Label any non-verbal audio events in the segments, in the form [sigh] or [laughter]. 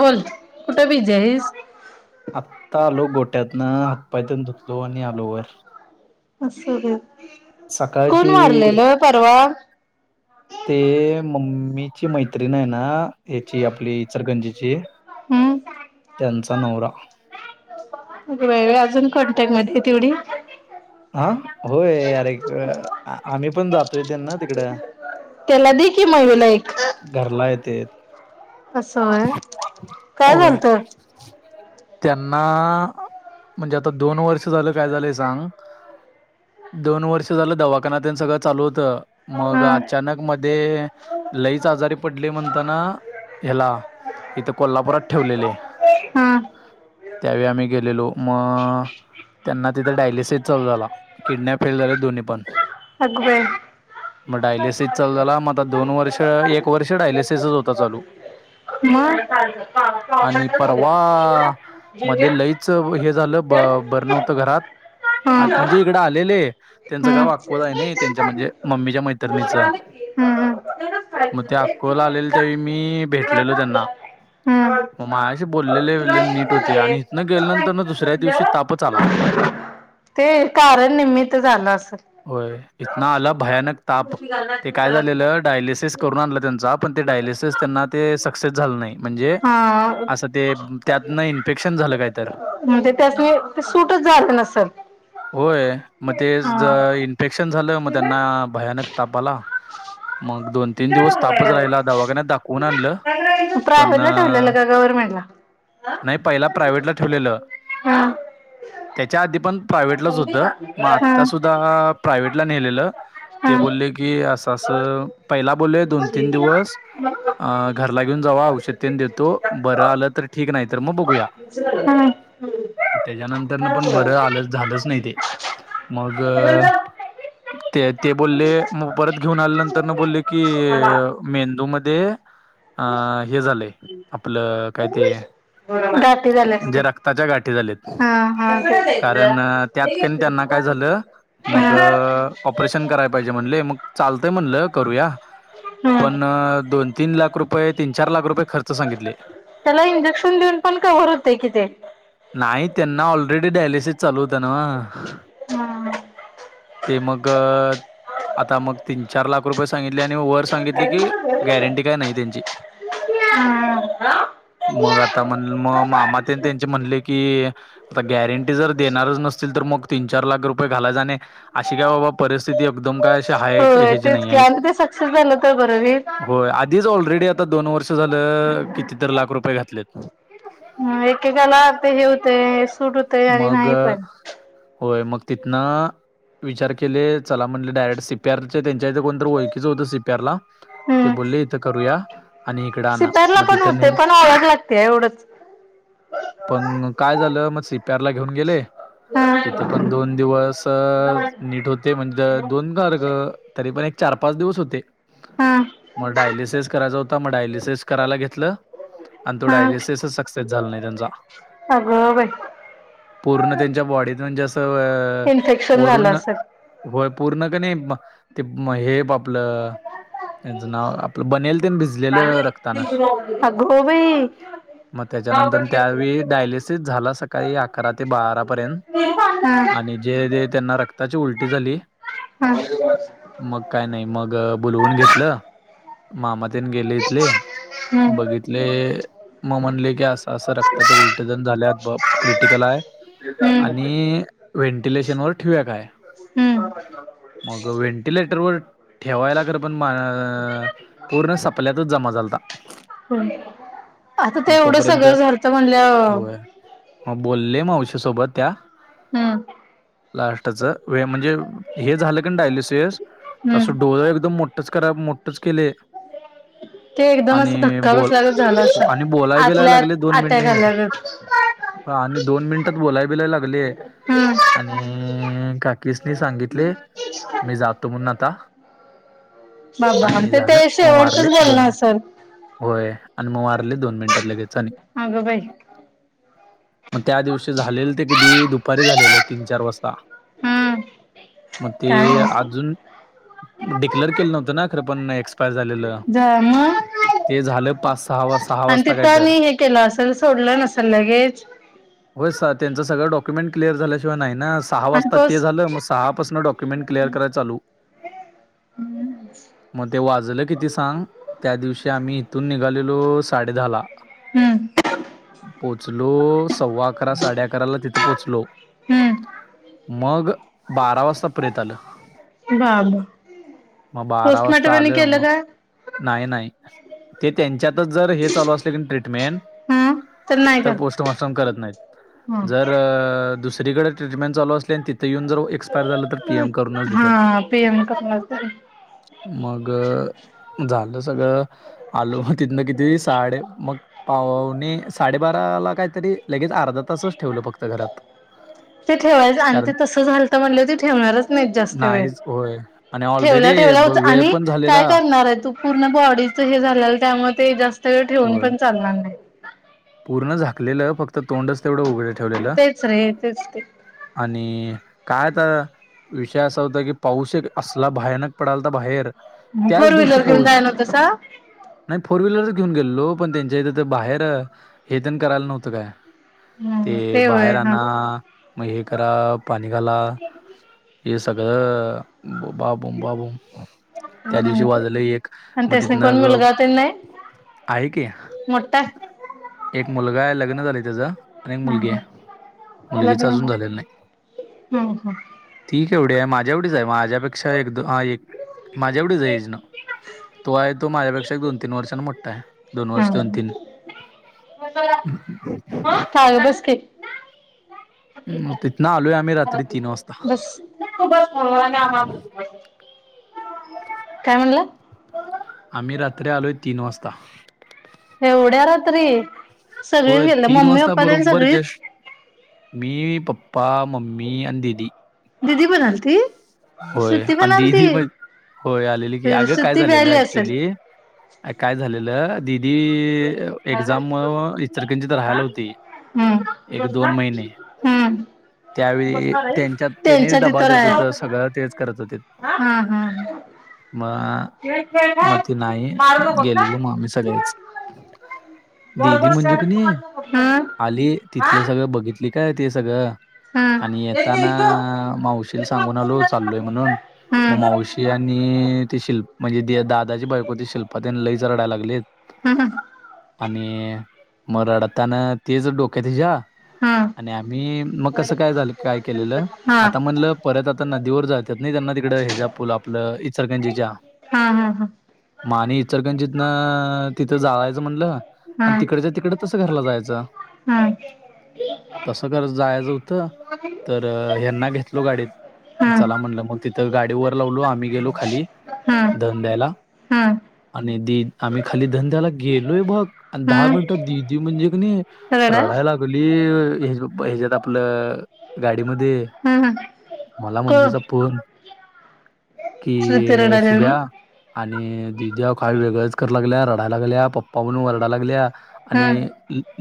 बोल, कुठे बीझी आहेस? आत्ता आलो गोट्यातनं हात-पाय तेन धुतलो आणि आलो वर. असं बई कोण सकाळची वारलेलं परवा? ते मम्मीची मैत्रिण आहे ना, ह्याची आपली इचरगंजीची त्यांचा नवरा. व्हय गं अजून कॉन्टॅकमध्ये हे तेवढी हां होय अरे एक आम्ही पण जातोय त्यांना तिकडं त्याला दे की मग हीला एक घरंला येतेत असं व्हय काय होय झालंत त्यांना म्हणजे आता दोन वर्ष झालं काय झालंय सांग दोन वर्ष झालं दवाखान्यांतेनं सगळं चालू होत. मग हा अचानक मध्ये लईच आजारी पडले म्हणून त्यांना ह्याला इथे कोल्हापुरात ठेवलेलं हे. हा त्यावेळी आम्ही गेलेलो म... त्यांना तिथं डायलिसिस चालू झाला किडन्या फेल झाल्या दोन्ही पण अगं बये मग डायलिसिस चालू झाला म आता दोन वर्ष तर एक वर्ष डायलिसिसच चालू होता चालू [unintelligible] आणि परवा मध्ये लई हे झालं बरनवतं घरात आ म्हणजे इकडं आलेले त्यांचं गाव अकोला आहे ना त्यांच्या म्हणजे मम्मीच्या मैत्रणीचं हं हं मग ते अकोल आलेले त्यावेळी मी भेटलेलो त्यांना मग मायाशी बोलले बीललेले नीट होते आणि इथनं गेल्या नंतर ना दुसऱ्या दिवशी तापचं आला ते कारण निम्मित झालं असंल होय इथना आला भयानक ताप ते काय झालेलं डायल लिसिस करून आणला त्यांचा पण ते डायलिसिस त्यांना ते सक्सेस झालं नाही म्हणजे हा असं ते त्यातना इन्फेक्शन झालं काय तर म्हणजे त्यासनी ते सूटच झालं नसेल होय मग ते ज हा इन्फेक्शन झालं मग त्यांना भयानक तापाला [unintelligible] मग दोन तीन दिवस तापच राहिला दवाखान्यात दाखवून आणलं. पण प्रायव्हेट ला ठेवलेला अ, का गवरर्मेंटला नाही पहिला प्रायव्हेटला ठेवलेलं हा त्याच्या आधी पण प्रायव्हेटलाच होतं मग हा आता सुद्धा दहा प्रायव्हेटला नेलेलं ते हा बोलले की असं अस पहिला बोलले दोन तीन दिवस घरला घेऊन जावा औषधतेन देतो. बरं आलं तर ठीक नाही तर मग बघूया हम्म त्याच्यानंतरन पण बरं आलं झालंच नाही ते मग ते ते बोलले मग परत घेऊन आलं नंतरन बोलले की मेंदू मध्ये अ हे झालंय आपलं काय ते गाठी झाले असते गेरा त्याच्या गाठी झालेत हा हा कारण त्यात काणी त्यांना काय झालं मग हा ऑपरेशन कराया पाहिजे म्हणले मग चालतय म्हणलं करूया हा पण दोन तीन लाख रुपये तीन चार लाख रुपये खर्च सांगितले. त्याला इंजेक्शन देऊन पण कवर होतंय कि ते. नाही त्यांना ऑलरेडी डायलिसिस चालू होत न व्हयं. हा ते मग आता मग तील चार लाख रुपये सांगितले, आणि वर सांगितले की गॅरंटी काय नाही त्यांची. [unintelligible] मग आता मण म मामांतेन त्यांचे म्हणले की आता गॅरंटी जर देणारच नसतील, तर मग तीन चार लाख रुपये घालायाच आणि अशी काय बाबा परिस्थिती एकदम काय अशी हाये ते तेच की आणि ते सक्सेस झालं तर बरं रे. दिज ऑलरेडी आता दोन वर्ष झालं, कितीतरी लाख रुपये घातलेत. ह एकेकाला ते हे होतय सूट होत मग! होय मग तिथंन विचार केले चला म्हणल डायेडं सिप त्यांच त्यांच्याकडं कोणतरी ओळखीच होतं सी पी आर ला. ते हम्म बोलले इथं करूया, आणि इकडे आणा म तिथं नेल. सातीय एवढंच. पण काय झालं म सि पी आर ला घेऊन गेले. तिथे पण हा दोन दिवसच नीट होते, म्हणजे दोन घार ग. तरी पण एक चार पाच दिवस होते. हा म डायलिसेस करायचा होता, म डायलिसेस करायला घेतलं. आण तो डायलिसेसच सक्सेस झाला नाही त्यांचा. अग बाई! पूर्ण त्यांच्या बॉडीत म्हणजे असं अ इन्फेक्शन झालं वरून. असेल. होय पूर्ण कनी मं ते मं हेप आपलं. त्यांचं नाव आपलं बनेल तेन भिजलेलं रक्तानं. अगो बाई. म त्याच्यानंतर त्यावेळी डायलिसिस झाला सकाळी आ करा ते बारा पर्यंत हा. आणि जे जे त्यांना रक्ताची उलटी झाली. [unintelligible] मग काय नाही मग बोलवून घेतलं. मामातेन गेले इथले हम्म. बघित तिथले म म्हणले की असं असं रक्ताच्या उलट्या जण झाल्या बॉप क्रिटिकल आहे. हम्म. आणि व्हेंटिलेशन वर ठीवूया काय? [unintelligible] मग व्हेंटिलेटरवर ठेवायला अगर पण मा पूर्ण सपल्यातच जमा झालता. आता ते मग एवढं तोपर्यंत सगळं झालथं म्हणल्याव म बोलले मावशी सोबत त्या. हू! लास्टच वेळ म्हणजे हे झालं कन डायलिसेस त हम्म. असं डोळ एकदम मोटच करा मोटच केले. ते एकदम असं आणि धक्का बोल बसल्यागत झालं असं आणि बोलाय बिलाय आतल्या लागले दोन आत मिनीट. [unintelligible] हा आणि दोन मिनिटात बोलाया बिलाया लागले. हू! आणि काकीसनी सांगितले मी जातो म्हणून आता. बाबा अन आणि ते ते झालं मग शेवटचच वारले बोलण दोन मिनिट असंल. होय आणि म वारले दोन मिनिटात लगेच आणि अगं बाई. मग त्या दिवशी झालेलं ते कधी, दुपारी झालेलं तीन चार वाजता. हम् मग ते अजून, डिक्लेर केलेल नव्हतं ना खरं पण एक्सपायर झालेलं. हा मग. ते झालं पाच सहा वाज- आणि ते वाजता काय तर. त्यांनी हे केलं असेल सोडलं नसेल लगेज. होय सा त्यांचं सगळं डॉक्युमेंट क्लिअर झाल्याशिवाय नाही ना- सहा आणि वाजता ते पोस्ट झालं, मग सहा पासन डॉक्युमेंट क्लिअर कराय चालू. मग ते वाजलं किती सांग? त्या दिवशी आम्ही इथून निघालेलो साडे दहाला- हम्म पोचलो, सव्वा अकरा साडे अकराला तिथं पोहोचलो. हम्म मग बारा वाजता प्रेत आलं. बाबा मग बारा वाजता पोस्टमार्टम आणि आलेय केलं मग- का? नाही नाही ते त्यांच्यातच जर हे चालू असलेली ट्रीटमेंट, हम्म नाही तर का पोस्टमार्टम करत नाही. जर हा दुसरीकडे- ट्रीटमेंट चालू असली आणि तिथे येऊन जर एक्सपायर झाल तर पीएम करूनच देतात. हा पीएम करणार मग झालं सगळं, आलो मग तिथन किती साडे मग पावणे साडेबाराला काहीतरी- लगेच अर्धा तासच ठेवलं फक्त घरात. ते ठेवायचं आणि ते कारण तसं झालत म्हणल्यावर ते ठेवणारच नाहीत जास्त वेळ. नाहीच होय. आणि ऑलरेडी ठेवल्या ठेवल्या होत वेळ आणि पण काय झालेला करणार आहे तू. पूर्ण बॉडीच हे झालेलं त्यामुळे ते जास्त वेळ ठेवून होय. पण चालणार नाही. पूर्ण झाकलेलं फक्त तोंडच तेवढं उघड. तेच रे तेच ते. आणि काय आता- विषय असा होता की पाऊस एक असला भयानक पडालता बाहेर, त्याच फोर दिवशी व्हीलर घेऊन पाऊस जायना तसा. नाही फोर व्हीलरच घेऊन गेलेलो पण त्यांच्या इथ तर बाहेर हेतण करायला नव्हतं काय. हम्म ते बाहेर होय हा आना, मग हे करा, पाणी घाला. हे सगळं, बाबों बाबो, त्या दिवशी होते वाजले एक, आणि मग त्यासनी कोण तिथन- मुलगा आहे की, मोठ्ठा आहे? एक मुलगा आहे लग्न झालंय त्याच. आणी एक मुलगी आहे. मुलगीचा लग्न अजून झालेल हम्म नाही. हम्म ती केवढी आहे माझ्या एवढीच आहे माझ्यापेक्षा एक दो हा एक- माझ्या एवढेच आहेचना. तो आहे तो माझ्यापेक्षा दोन तीन वर्षांने मोठ्ठा आहे, दोन वर्ष, दोन तीन- मिझोराम हा, चाल, बस की मग बस तिथनं आलोय आम्ही [inaudible] मग रात्री तीन वाजता तू बस फोनवर आणि आम्हाला, तु शिकवायची. आ काय म्हणला? आम्ही रात्री आलोय तीन वाजता. एवढ्या रात्री! ! सगळीच होय गेलेले, तीन मम्मी वाजता पप्पान आणी बरोबर सगळीच, जस्ट मी पप्पा, मम्मी अन् दिदी. दिदी पण आलती होय श्रुती पण आणि दिदी आलती पण होय आलेली की अग काय ती झालेल व्यायली असेल ऍक्च्युली अ काय झालेल दिदी एक्झाम मुळ इचलकरंजी राहायला होती हम्म एक दोन महिने हम्म त्यावेळी त्यांच्यात त्यानी त्यांच्या डबा तिथं देत राहाय होतस सगळं तेच करत होते हा हा म माती नाही गेलेलो मग आम्ही सगळेच हम्म दीदी म्हणजे कणी आली तिथल सगळ बघितल ती काय ती सगळ हम्म आणि येताना मावशीला सांगुन चाललोय म्हणुन मग हम्म मावशी आणि ते शिल्प म्हणजे दादाची बायको ते शिल्पा तेन लईच रडायला लागलेत हम् हा आणि मग रडताना तेच डोक्यात हिच्या हम्म हा आणि आम्ही मग कस काय झाल काय केलेल हा आता म्हणल परत आ तर नदीवर जातात नाही त्यांना तिकड ह्याच्या पूल आपल इचलकरंजीच्या हा हा हा हा म आणि इचलकरंजीतन तिथ जाळायच म्हणल आणि तिकडच्या तिकडच तस घराला जायच हं तस करत जायच होत तर ह्यांना घेतलो गाडीत चला म्हणल मग तिथ गाडी वर लावलो आम्ही गेलो खाली हा दहन द्यायला हा आणि द आम्ही खाली दहन द्यायला गेलोय बघ आणि दहा हा मिनिटात दीदी म्हणजे कणी रडास रडाय लागली ह्याच्यात आपल गाडीमध्ये हम् हम मला मम्मीचा फोन कि श्रुती रडायली म्हणून शुभ्या आणि दीदी काय वेगळच कराय लागल्या रडायला लागल्या पप्पा म्हणुन वरडा लागल्या आणि हम्म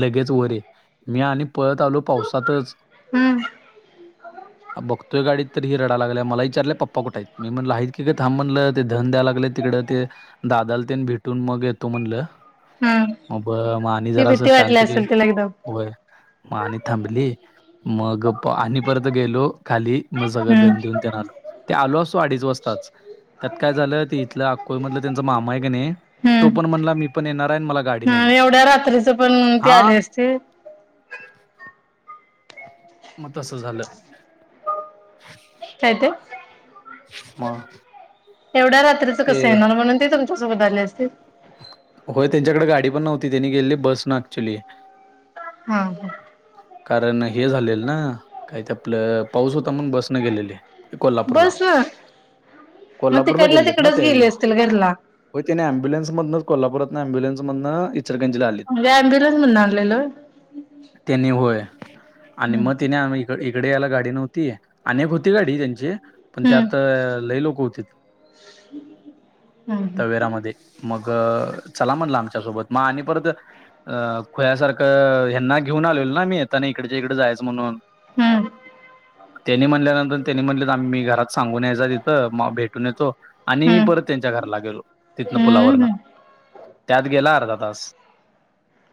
लगेच वर ये मी आणि पळत आलो पावसातच हम्म अ बघ तो गाडीत तर ही रडा लागलय मला विचारले पप्पा कुठ आहेत मी म्हणल आहेत की ग थांब म्हणल ते दहन द्याय लागले तिकड ते दादाला त्यानी भेटून मग येतो म्हणल हम्म मग मा मी ती जरास भीती वाटली शांत घे असेल तिला एकदम होय मग आणि थांबली मग आणि परत गेलो खाली मग सगळ हम्म दहन देऊन त्यांना आलो ते आलो असतो अडीच वाजताच त्यात काय झाल ते इथल अकोळ मधल त्यांचा मामा आहे का नाही तो पण म्हणला मी पण येणार आहे मला गाडी नाही आणि आहे एवढ्या रात्रीच पण ते हा आले असते म तस झाल काय ते मग एवढ्या रात्रीच ते कस येणार म्हणुन ते तुमच्यासोबत आले असतील होय त्यांच्याकडे गाडी पण नव्हती त्यांनी गेलेल बस न ऍक्च्युली हां कारण हे झालेल ना काही ते आपल पाऊस होता म्हणून बस न गेलेले कोल्हापुरला बस ना मग कोल्हापुरला तिकडल्या गेलेले ते ना तिकडच त्यावेळी गेले असतील घरला होय त्यांनी ॲबुलन्स मधन कोल्हापुरात न ॲम्बुलन्समधन म्हणजे ॲम्बुलन्स मधन आणलेल होय त्यांनी होय? आणि मग तिने हम्म इ- इकडं यायला गाडी नव्हती आणि एक होती गाडी त्यांची पण हम्म त्यात लय लोक हुंतीत हम्म तवेरामध्ये. मग चला म्हणलं आमच्यासोबत म आणि परत अ खुळ्यासारख ह्यांना घेऊन आलेलो ना मी येताना हिकडच्या हिकड जायचं म्हणून. त्यांनी म्हणल्यानंतर त्यांनी म्हणलेत आम्ही मी घरात सांगून यायचा तिथं म भेटून येतो आणि हम्म परत त्यांच्या घराला गेलो. हम्म पुलावरन हम्म त्यात गेला अर्धा तास.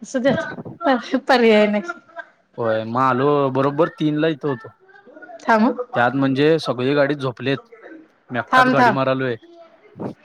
असूद्यात पर्याय नाय. होय म आलो बरोबर तीनला इथं होतो. थांब हं त्यात म्हणजे सगळी गाडीत झोपलेत मी एकटाच थांब गाडी थांब मारालोय. [inaudible]